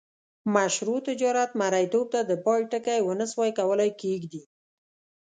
مشروع تجارت مریتوب ته د پای ټکی ونه سوای کولای کښيږدي.